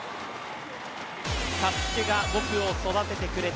ＳＡＳＵＫＥが僕を育ててくれた。